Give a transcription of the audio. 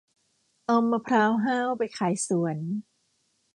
เอามะพร้าวห้าวไปขายสวน